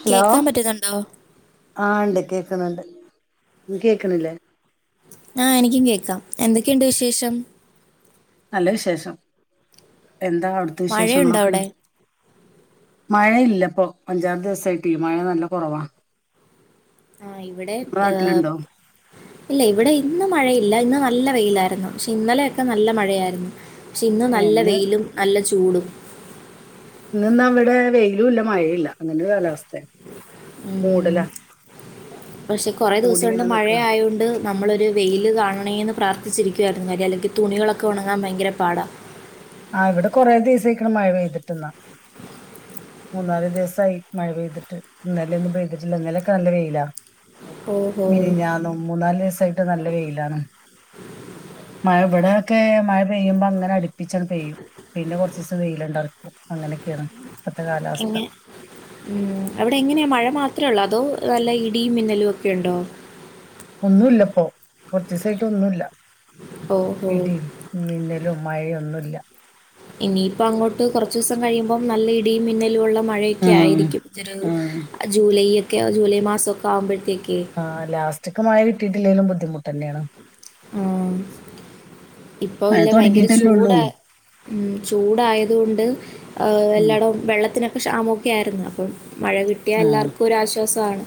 Hello കേൾക്കാൻ പറ്റുന്നുണ്ടോ ആ ഉണ്ട് കേ ണ്ട് കേക്കണില്ലേ ആഹ എനിക്കും കേക്കാം എന്തൊക്കെയുണ്ട് വിശേഷം നല്ല വിശേഷം എന്താ അവിടത്തെ മഴയുണ്ടോ വിശേഷങ്ങളൊക്കെ അവിടെ മഴയില്ലപ്പോൊ അഞ്ചാമ ദിവസായിട്ട് മഴ നല്ല കുറവാ ആഹ ഇവിടെ നിങ്ങളെ ഏഹ നാട്ടിലുണ്ടോ ഇല്ല ഇവിടെ ഇന്ന് മഴയില്ല ഇന്ന് നല്ല വെയിലായിരുന്നു പക്ഷെ ഇന്നലെയൊക്കെ നല്ല മഴയായിരുന്നു പക്ഷെ ഇന്ന് നല്ല എന്ന് വെയിലും നല്ല ചൂടും ഇന്നവിടെ വെയിലും ഇല്ല മഴല്ല അങ്ങന കാലാവസ്ഥയ ഉം മൂടലാ പശെ കൊറെ മൂടി ദെവസം ഒണ്ട് ഇങ്ങനെ മഴ നിക്കാ ആയൊണ്ട് നമ്മളൊര് വെയിയില് കാണേന്ന് പ്രാർത്ഥിച്ചിരിക്കുവാര്ന്ന് അല്ല അല്ലെങ്കി തുണികളൊക്കെ ഒണങ്ങാൻ ബയങ്കര പാടാ ആാ ഇവടെ കുറെ ദിവസേക്കാണ് മഴ പെയ്തിട്ട്ന്നാ മൂന്നാല് ദിവസായി മഴ പെയ്തിട്ട് ഇന്നലെ ഒന്നും പെയ്തിട്ടില്ലാ ഇന്നലൊക്കെ നല്ല വെയിലാ ഓഹോ മെനാഞ്ഞാന്ന് മൂന്നാല് ദിസായിട്ട് നല്ല വെയിലാണ് മഴ ഇവടെയൊക്കെ മഴ പെയ്യ്മ്പോ അങ്ങനെ അടിപ്പി [unintelligible] പെയ്യും പിന്നെ കൊറച്ച് ദെവസം വെയ്ലോണ്ടാർന്നൾവെയ്ലോണ്ടാർന്നു അങ്ങനെയൊക്കെയാണ് ഇപ്പത്തെ കാലാവസ്ഥ എങ്ങനെ ഉം അവടെ എങ്ങനെയാ മഴ മാത്ര ഒള്ളോ അതോ നല്ല ഇടിയും മിന്നലും ഒക്കെ ഒണ്ടോ ഒന്നു ഇല്ല ഇപ്പോ കൊറച്ചയസായിട്ട് ഒന്നും ഇല്ല ഓഹോ ഇടിയും, മിന്നലും, മഴയൊന്നും ഇല്ല ഇനി ഇപ്പം അങ്ങോട്ട് കൊറച്ച് ദിവസം കഴിയുമ്പോം നല്ല ഇടിയും മിന്നലും ഒള്ള മഴയൊക്കെ ആഹ് ആയിരിക്കും ആഹ് [unintelligible] ജൂലൈ ഒക്കെ ജൂലൈ മാസോക്കെ ആവ്മ്പോഴത്തേ ആ ലാസ്റ്റിക് മഴ കിട്ടിയിട്ടോല്ലെലും ബുദ്ധിമുട്ട് തന്നെയാണ് ആാ ഇപ്പൊ മഴ ഇല്ല ബയങ്കര തുടങ്ങിയിട്ടല്ലേ ഉള്ളൂ ചൂടാ ഉം ചൂടായത് കൊണ്ട് ആ ഉം എല്ലാടോം വെള്ളത്തിനൊക്കെ ക്ഷാമൊക്കെ ആര്ന്ന് അപ്പം മഴ കിട്ടിയാ ആഹ് എല്ലാർക്കും ഒര് ആശ്വാസാണ്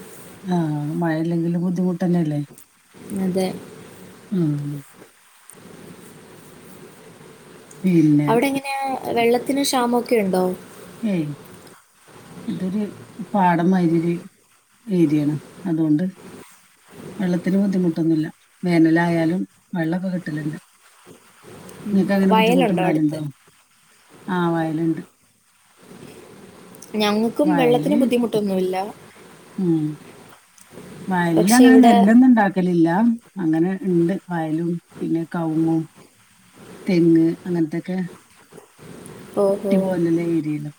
തന്നെ അല്ലേ അതെ ആാ പിന്നെ അവടെ എങ്ങനെയാ വെള്ളത്തിന് ക്ഷാമൊക്കെ ഒണ്ടോ ഏയ് ഇതൊരു ഏരായാണ് അത് കൊണ്ട് വെള്ളത്തിന് ബുദ്ധിമൊട്ടാന്നു ഇല്ല വേനലായാലും വെള്ളൊക്കെ കിട്ടലോണ്ട് ഉം, നിങ്ങക്ക് അങ്ങനെ വയലുണ്ടോ അടുത്ത് ബുദ്ധിമൊട്ട്ണ്ടാല്ണ്ടോ ആ വായലോണ്ട് ഞങ്ങക്കും വെള്ളത്തിന് വയല് ബുദ്ധിമുട്ടൊന്നു ഇല്ല വയലില്ല് അങ്ങനെ നെല്ലൊന്നും ഒണ്ടാക്കലില്ലാ അങ്ങനെ ഇണ്ട് വയലും പിന്നെ കൗങ്ങും തെങ്ങ് അങ്ങനത്തൊക്കെ ഓഹോ [unintelligible] ഏരിയാല്ലാ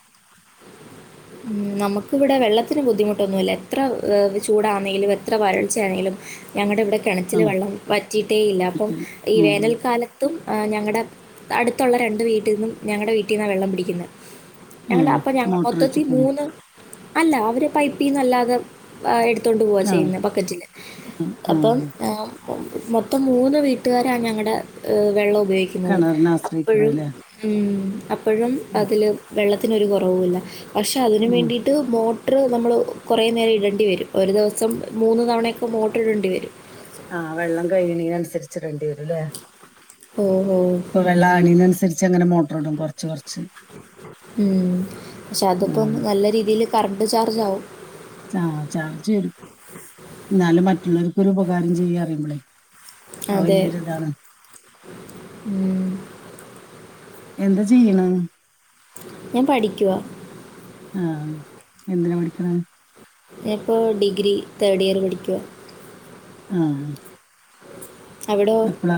ഉം നമക്ക് ഇവടെ വെള്ളത്തിന് ബുദ്ധിമുട്ടൊന്നു ഇല്ലാ എത്ര ചൂടാന്നാലും എത്ര വരൾച്ചെയാണെങ്കിലും ഞങ്ങടെ ഇവടെ ആ കെണച്ചില് വെള്ളം പറ്റിട്ടേ ഇല്ലാ അപ്പം ചുറ്റിനും. ഈ ഉം വേനൽക്കാലത്തും ഞങ്ങടെ അട്ത്തോള്ള രണ്ട് വീട്ടിന്നും ഞങ്ങാടെ വീട്ടിന്നാ വെള്ളം പിടിക്ക്ന്നേ ഉം മൊത്തത്തി മൂന്ന് അല്ലാ അവര് പൈപിന്ന് അല്ലാതെ ആ എട് തൊണ്ട് പോവുവാ ആ ചെയ്യ്ന്നോ ബക്കറ്റില് ഉം, അപ്പം ഉം. ആ [unintelligible] മൊത്തം മൂന്ന് വീട്ട്കാരാണ് ഞങ്ങടെ യ് വെള്ളം ഉപയോഗിക്ക്ന്നാത് കിണറിനെ ആശ്രയിക്കണം അപ്പാഴും അല്ലേ ഉം എപ്പോഴും ഉം, അതില് വെള്ളത്തിനൊര് കൊറാവു ഇല്ല പശേ അതിനന് ഉം. വേണ്ടിയിട്ട് മോ മോട്ടറ് നമ്മള് കൊറേ നേരം ഇടേണ്ടി വെരും ഒര് ദിവസം മൂന്ന് തവണയൊക്കെ മോട്ടറ് ഇടേണ്ടി വെരും ആ വെള്ളം കഴേണീ അന്സരിച്ച് ഇടോണ്ടി വെരും ല്ലേ ഓ ഇപ്പോ വെള്ളം [unintelligible] അന്സാരിച്ച് അങ്ങനെ മോട്ടറ് ഇടും കൊറച്ച് കൊറച്ച് ഉം പശെ അതിപ്പം നല്ല രീതില് കറണ്ട് ചാർജാകും ചാ ചാർജ് വെരും എന്നാലും മറ്റുള്ളവക്ക് ഒര് ഉപകാരം ചെയ്യ അറിയ്മ്പാളേ ആ അതെ വല്ല്യായോരു ഇതാണ് ഉം എന്താ ചെയ്യാണ ഞാൻ പഠിക്കുവാ ആ എന്തിനാ പഠിക്കാണ ഞാന് ഇപ്പോ ഡിഗ്രി തേർഡ് ഇയർ പഠിക്കുവാ ആ അവിടോ പ്പള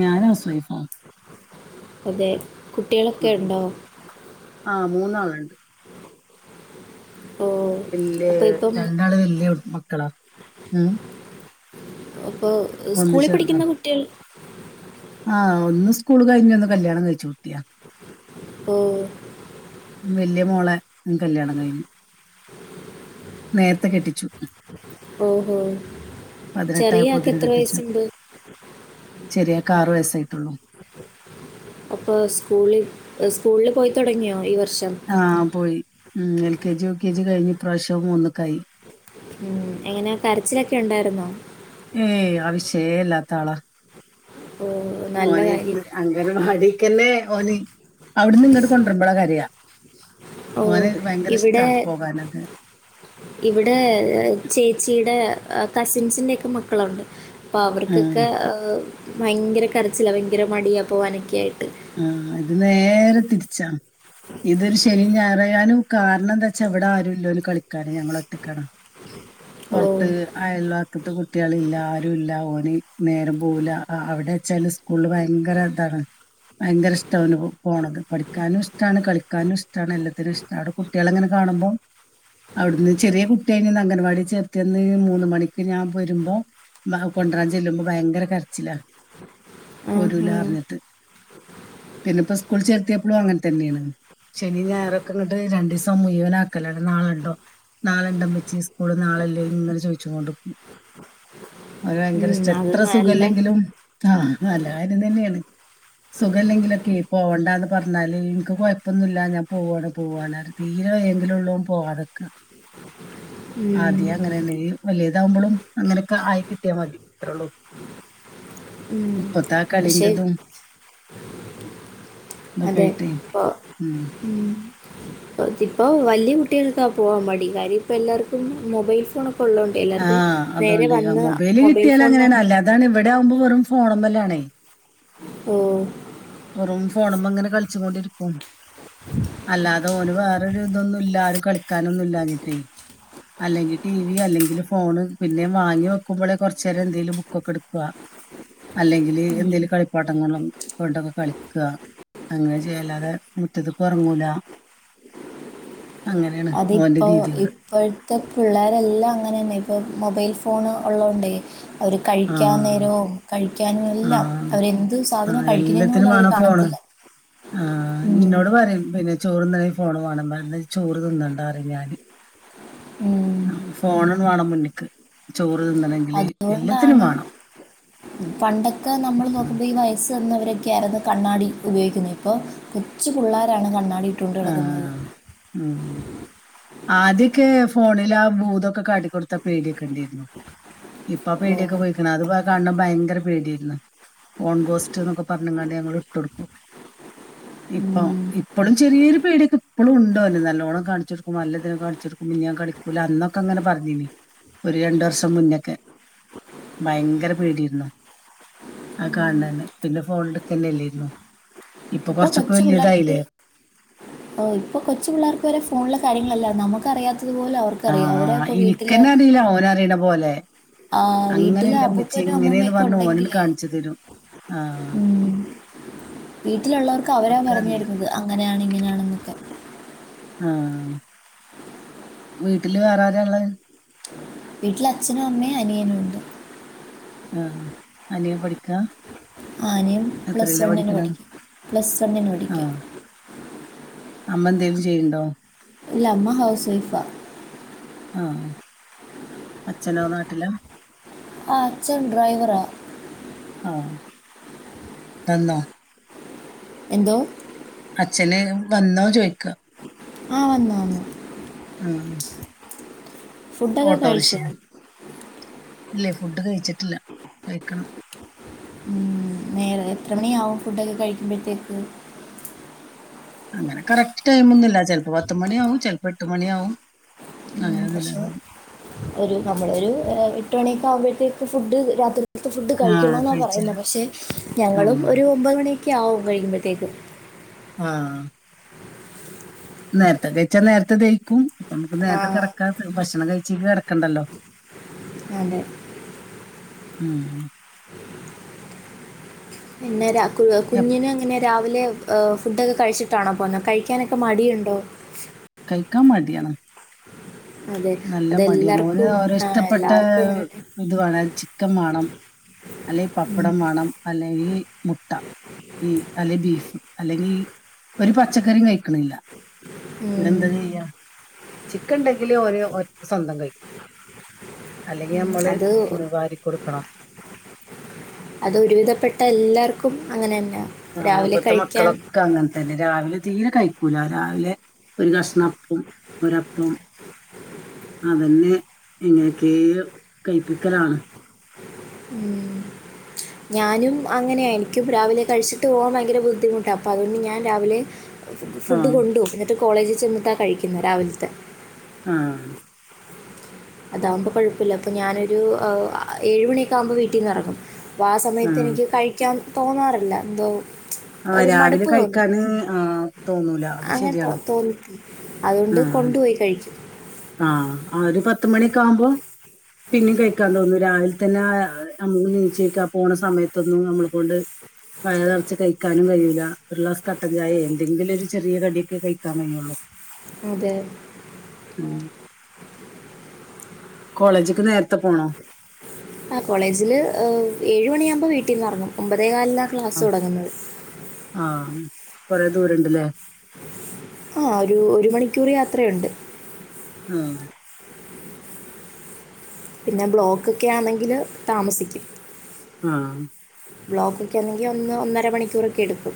ഞാനാണ് സ്വയ്ഫാ അതെ കുട്ടികളൊക്കെ ഉണ്ടോ മൂന്നാളിണ്ട് ഓ വല്യ അപ്പോൾ ഇപ്പം രണ്ടാള് വല്യ മക്കളാ ഉം അപ്പൊ ഒന്ന് സ്കൂളിൽ ചെറുതാ പഠിക്കുന്ന കുട്ടികൾ സ്ക്കൂള് കൈഞ്ഞ് അന്ന് കല്യാണം കൈച്ചു ഓ വല്യ മോളെ കല്യാണം കൈഞ്ഞ് നേർത്ത കെട്ടിച്ചു ഓഹോ ചെറിയ ആൾക്ക് എത്ര വയസ്സുണ്ട് ചെറിയ ആൾക്ക് ആറ് വയസ്സായിട്ടുള്ളൂ അപ്പൊ സ്കൂളി സ്കൂളില് പോയി തുടങ്ങിയോ ഇവർ ആ പോയി ഉം L K G U K G കഴിഞ്ഞ് ഈ പ്രാവശ്യം ഒന്ന് കായി ഉം എങ്ങനെ കരച്ചിലൊക്കെ ഉണ്ടായിരുന്നോ ഏയ് ആ വിഷയേയില്ലാത്ത ആളാ ഓ നല്ല മോന് കാര്യം അങ്കനവാടിക്കന്നേ ഓന് അവിടന്ന് ഇങ്ങട് കൊണ്ടുവരുമ്പഴാ കരയാ ഓ ഓന് ഭയങ്കര ഇഷ്ടാ ഇവിടെ പോവനൊക്കെ ഇവിടെ ചേച്ചിയുടെ കസിൻസിൻ്റെ ഒക്കെ മക്കള് ഉണ്ട് അപ്പ ആ അവർക്കൊകെ ഒ പ ഭയങ്കര കരച്ചില ഭയങ്കര മടിയാ പോകാനൊക്കെയായിട്ട് ആഹ് ഇത് നേരെ തിരിച്ചാ ഇതൊരു ശനി ഞായരായാനും കാരണം എന്താ വെച്ചാ എവിടെ ആരുല്ലാലോ കളിക്കാന് ഞങ്ങള് ഒറ്റക്കാണ് ഓ പുറത്തു അയൽവക്കത്ത് കുട്ടികളില്ല ആരൂല ഓന് നേരം പോവൂല അവിടെ വച്ചാല് സ്കൂളില് ഭയങ്കര ഇതാണ് ഭയങ്കര ഇഷ്ട്ടാണ് ഓന് പോവണത്തത് പഠിക്കാനും ഇഷ്ട്ടാണ് കളിക്കാനും ഇഷ്ട്ടാണ് എല്ലാത്തിനും ഇഷ്ട്ട അവടെ കുട്ടികളെ ഇങ്ങനെ കാണുമ്പോ അവടെന്ന് ചെറിയ കുട്ടിയായിഞ അങ്കണവാടി ചെർത്തയന്നു മൂന്ന് മണിക്ക് ഞാൻ വരുമ്പോ കൊണ്ടുവരാൻ ചെല്ലുമ്പോ ഭയങ്കര കര ചില ആഹാ പൊരൂലാറിഞ്ഞിട്ട് പിന്നെ ഇപ്പൊ സ്കൂളിൽ ചേർത്തിയപ്പോളും അങ്ങനെ തന്നെയാണ് ശനി ഞായർ ഒക്കെ അങ്ങട്ട് രണ്ടു ദിവസം മുഴുവൻ ആക്കലാണ് നാളെ ഇണ്ടോ നാളെ ഇണ്ട അമ്മച്ചി സ്കൂൾ നാളെ ഇല്ലേ ഇങ്ങനെ ചോയിച്ചോണ്ട് നിക്കും അവൻ ഭയങ്കര ഇഷ്ട ഉം, അത് എത്ര നല്ല സുഖല്ലെങ്കിലും ആഹ് നല്ല കാര്യം തന്നെയാണ് സുഖല്ലെങ്കിലൊക്കെ പോവണ്ടാന്ന് പറഞ്ഞാല് എനിക്ക് കൊഴപ്പൊന്നുല്ല ഞാൻ പോവാണ് പോവാണ് തീരെ വയ്യെങ്കിലും ഉള്ളൂ പോവാതെ നിക്ക ഉം. ആദ്യം അങ്ങനെ തന്നെ ഇനി വല്യതാവുമ്പോളും അങ്ങനെയൊക്കെ ആയി കിട്ടിയ മതി അത്രയുള്ളൂ ഉം. ഇപ്പത്ത പക്ഷെ കളിയിണ്ടെന്നും അതെ ഇപ്പൊ ഉം കുറച്ചിപ്പോ വല്യ കു കുട്ടികൾക്കാ പോവാൻ മടി കാര്യം ഇപ്പ എല്ലാവർക്കും മൊബൈൽ ഫോൺ ആഹ് അതുകൊണ്ട് മൊബൈല് മൊബൈൽ കിട്ടിയാൽ ഫോണിന് അങ്ങനെയാണ് അല്ലാതാണ് ഇവിടെയാവുമ്പോ വെറും ഫോണുമ്മലാ ണേ ഓഹ് വെറും ഫോണുമ്മ അങ്ങനെ കളിച്ചു കൊണ്ടിരിക്കും അല്ലാതെ ഓന് വേറൊരു ഇതൊന്നും ഇല്ല ആരും കളിക്കാനൊന്നും ഇല്ലാഞ്ഞിട്ടെ അല്ലെങ്കിൽ ടി വി അല്ലെങ്കിൽ ഫോ ഫോണ് പിന്നെ വാങ്ങി വെക്കുമ്പോളെ കുറച്ച് നേരം എന്തേലും ബുക്കൊക്കെ എടുക്കുവാ അല്ലെങ്കിൽ എന്തെലും കളിപ്പാട്ടം കൊണ്ട് കെട കളിക്ക അങ്ങനെ ചെയ്യല്ലാതെ മുറ്റത്തു ഇപ്പൊ ഇറങ്ങൂല അതിപ്പോ ഇപ്പഴത്ത പിള്ളാരെല്ലാം അങ്ങനെയന്നെ ഇപ്പൊ മൊബൈൽ ഫോ ഫോണ് ഉള്ളത് കൊണ്ടേ അവര് കഴിക്കാ ആഹ് നേരവും കഴിക്കാനും എല്ലാം ആഹ് അവരെന്ത് സാധനം ആഹ് കഴിക്കുന്നെന്ന് പോലും എല്ലാത്തിനും അവര് വേണം ഫോണ്. കാണത്തില്ല ആ ഉം നിന്നോട് പറയും പിന്നെ ചോറ്ന്നന്നെങ്കി ഫോണ് വേണം ചോറ് തിന്നണ്ടാറ ഞാന് ഉം ഫോണ് വേണം മുന്നിക്ക് ചോറ് തിന്നണെങ്കില് എല്ലാത്തിനും അതുകൊണ്ടാണ് വേണം പണ്ടൊക്കെ നമ്മൾ ഉം. നോക്കുമ്പോ ഈ വയസ്സ് തന്നവരൊക്കെയ ആയിരുന്നു കണ്ണാടി ഉപയോഗിക്കുന്നു ഇപ്പൊ കൊച്ചു പിള്ളോരാണ് കണ്ണാടി ഇട്ടോണ്ട് ആ നടക്കുന്നത് ആദ്യൊക്കെ ഫോണിൽ ആ ഭൂതൊക്കെ കാട്ടിക്കൊടുത്ത പേടി ക്കെണ്ടിരുന്നു ഇപ്പ പേടിയൊക്കെ പോയിക്കണ് അത് കാണ ഭയങ്കര പേടിയര്ന്ന് ഫോൺ ഗോസ്റ്റ് എന്നൊക്കെ പറഞ്ഞങ്ങാണ്ട് ഞങ്ങൾ ഇട്ടൊടുക്കും ഇപ്പൊ ഉം. ഇപ്പോളും ചെറിയൊരു പേടിയൊക്കെ ഇപ്പളും ഉണ്ടോന് നല്ലോണ്ണം കാണിച്ചു കൊടുക്ക നല്ല ഇതിനെയൊക്കെ കാണിച്ചെടുക്കുമ്പ ഇനി ഞാൻ കളിക്കൂലാ അന്നൊക്കെങ്ങനെ പറഞ്ഞീേനീ ഒരു രണ്ടു വർഷം മുന്നൊക്കെ ഭയങ്കര പേടിരുന്നു ആ കാണണന്നെ പിന്നെ ഫോൺഡ്ക്കന്നെല്ലരുന്നു ഇപ്പൊ കൊച്ചു പിള്ളേർക്ക് ഇപ്പൊ കൊച്ച് പിള്ളേർക്ക് വരെ ഫോണിലെ കാര്യങ്ങളല്ലാ അറിയാം നമുക്കറിയാത്ത ആഹ് എനിക്കന്നെ അറിയില്ല ഓന് അറിയണ പോലെ ആ, വീട്ടിലെ അങ്ങനെല്ലമ്മിച്ചി അപ്പൂപ്പനും ഇങ്ങനെന്ന് അമ്മൂമ്മയൊക്കെ പറഞ്ഞു ഓനന് ഉണ്ടെങ്കിലേ കാണിച്ചു തരും ആഹ് ഉം, വീട്ടിലുള്ളവർക്ക് അവരാ പറഞ്ഞു തരുന്നത് അങ്ങനെയാണ് ഇങ്ങനെയണെന്നൊക്കെ ആഹ് വീട്ടില് വേറെരാള്ളത് വീട്ടില് അച്ഛനും അമ്മേം അനിയനും ഉണ്ട് ആഹ് അനിയൻ പഠിക്കാ ആഹ് അനിയൻ പ്ലസ് എത്രയിലാ വണ് ന് പഠിക്കണ പഠിക്ക പ്ലസ് വണ്ന് ആ പഠിക്കാ അമ്മ എന്തേലും ചെയ്യണ്ടോ ഇല്ല അമ്മ ഹൗസ് വൈഫാ ആഹ് അച്ഛനോ നാട്ടിലോ ആ അച്ഛൻ ഡ്രൈവറാ ആഹ് എന്താ എന്തോ അച്ഛന് വന്നോ ചോയി ആഹ് വന്നു വന്നു. ആഹ്. ഫുഡൊക്കെ കഴിച്ചോ? ഇല്ലേ ഫുഡ് കഴിച്ചിട്ടില്ല കഴിക്കണം. ഉം നേരെ എത്ര മണിയാവും ഫുഡൊക്കെ കഴിക്കുമ്പോഴത്തേക്ക്? അങ്ങനെ കറക്റ്റ് ടൈമൊന്നുല്ല ചിലപ്പോ പത്തുമണിയാവും ചിലപ്പോ എട്ട് മണിയാവും. ഉ അങ്ങനെയൊന്നുമില്ല പക്ഷെ ഉണ്ടാവും. ഒരു നമ്മളൊരു എട്ട് മണിയൊക്കെ ആവുമ്പോഴത്തേക്ക് ഫുഡ് രാത്രി ഫുഡ് ആ കഴിക്കണെന്നാ കഴിച്ചാൽ പറയുന്നത് പക്ഷെ ഞങ്ങളും ഒരു ഒമ്പത് മണി ക്കാവും കഴിയുമ്പോഴത്തേക്കും. ആഹ്. നേരത്തെ കയിച്ച നേരത്തെ ദഹി ക്കും നമുക്ക് ആ നേരത്തെ കിടക്കാത്ത ഭക്ഷണം കഴിച്ചി കിടക്കണ്ടല്ലോ. അതെ. ഉം. പിന്നെ രാ എപ്- കുഞ്ഞിന് അങ്ങനെ രാവിലെ ഏഹ് ഫുഡൊക്കെ കഴിച്ചിട്ടാണോ പോന്നെ കഴിക്കാനൊക്കെ മടിയുണ്ടോ? കയിക്കാൻ മടിയാണ്. അതെ നല്ല മടിയാണ് ഓര് അതെല്ലാർക്കും ഓരോ ആഹ് ഇഷ്ടപ്പെട്ട എല്ലാർക്കും അങ്ങനെന്നെ ഇത് വേണം ചിക്കൻ വേണം. അല്ലേ ഉം പപ്പടം വേണം അല്ലെങ്കിൽ മുട്ട. ഈ അല്ലെ ബീഫ് അല്ലെങ്കി ഒരു പച്ചക്കറിം കഴിക്കണില്ല. ഉം പിന്നെന്താ ചെയ്യാ ചിക്കൻ ഇണ്ടെങ്കില് ഓര് ഒ സ്വന്തം കഴിക്കും. അല്ലെങ്കി ഉം നമ്മള് അത് വാരി കൊടുക്കണം. അത് ഒരു വിധപ്പെട്ട എല്ലാർക്കും അങ്ങനെ ആഹ് ഇപ്പത്തെ മക്കളൊക്കെ അങ്ങനത്തന്നെ രാവിലെ തീരെ കഴിക്കൂല രാവിലെ ഒരു കഷ്ണ അപ്പോം ഒരപ്പം അതന്നെ എങ്ങനെക്കെയോ കയിപ്പിക്കലാണ് മ് ഞാനും അങ്ങനെയാ ഇനിക്കും രാവിലെ കഴിച്ചിട്ട് പോകാൻ ഭയങ്കര ബുദ്ധിമുട്ടാ അപ്പൊ അതുകൊണ്ട് ഞാൻ രാവിലെ ഫുഡ് ആഹ് കൊണ്ടു പോം എന്നിട്ട് കോളേജിൽ ചെന്നിട്ടാ കഴിക്കുന്നെ രാവിലത്തെ ആഹ് അതാകുമ്പോ കൊഴപ്പില്ല അപ്പൊ ഞാനൊരു ആ ഏഴുമണിയൊക്കെ ആകുമ്പോ വീട്ടീന്നെറങ്ങും അപ്പൊ ആ സമയത്ത് ആഹ് എനിക്ക് കഴിക്കാൻ തോന്നാറില്ല എന്തോ ആഹ് ഒരു രാവിലെ മടുപ്പ് തോന്നും കഴിക്കാന് ആഹ് തോന്നൂല അത് അങ്ങനെ ശരിയാണ് തോന്നി അതുകൊണ്ട് ആഹ് കൊണ്ടുപോയി കഴിക്കും ആഹ് ആഹ് ഒരു പത്തു മണിക്കാവുമ്പോ പിന്നേം കഴിക്കാൻ തോന്നും രാവിലെ പിന്നെ [unintelligible] പോണ സമയത്തൊന്നും നമ്മളെ കൊണ്ട് വയറുനെറച്ച് കഴിക്കാനും കയ്യൂല്ല ഒരുഗ്ലാസ് കട്ടൻ ചായേ എന്തെങ്കിലും ഒരു ചെറിയ കടിയൊക്കെ കഴിക്കാൻ കഴിയ്യൊള്ളൂ അതേ ഉം കോളേജിക്ക് നേരത്തെ പോണോ ആ കോളേജില് ഏഴുമണിയാകുമ്പോ വീട്ടീന്നെറങ്ങും ഒമ്പതേ കാലിന് ആ ആ കൊറെ ദൂരുണ്ടല്ലേ ആ ഒരു ഒരു മണിക്കൂർ യാത്രയൊണ്ട് ആ പിന്നെ ബ്ലോക്കൊക്കെ ആണെങ്കിൽ താമസിക്കും ആ ബ്ലോക്കൊക്കെ ആന്നെങ്കി ഒന്ന് ഒന്നര മണിക്കൂറൊക്കെ എടുക്കും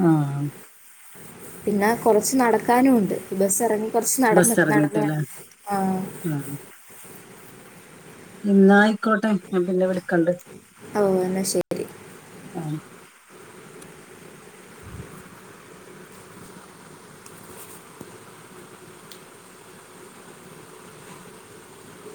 ആ പിന്നെ കൊറച്ച് നടക്കാനും ഉണ്ട് ഈ ബസ്സെറങ്ങി. കൊറച്ച് ബസ് നടന്ന് നടന്നു എറങ്ങിട്ടല്ലേ വേണം ആ ആഹ് ഇന്നാ ആയിക്കോട്ടെ ഞാൻ പിന്നെ വിളിക്കണ്ട്. ഓ എന്നാ ശരി. ആ